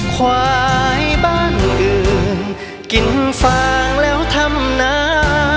ควายบ้านอื่นกินฟางแล้วทำหนา